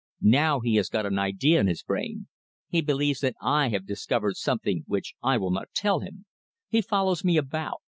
Now he has got an idea in his brain. He believes that I have discovered something which I will not tell him. He follows me about.